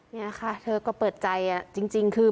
นี่ค่ะเธอก็เปิดใจจริงคือ